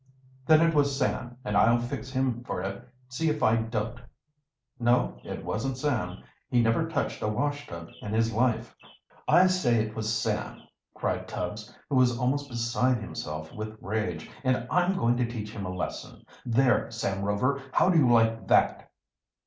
"Then it was Sam, and I'll fix him for it, see if I don't!" "No, it wasn't Sam. He never touched a washtub in his life." "I say it was Sam," cried Tubbs, who was almost beside himself with rage. "And I'm going to teach him a lesson. There, Sam Rover, how do you like that?"